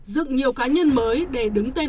dựng nhiều cá nhân mới để đứng tên